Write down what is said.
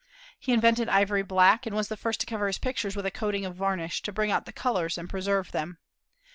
He invented ivory black, and was the first to cover his pictures with a coating of varnish, to bring out the colors and preserve them.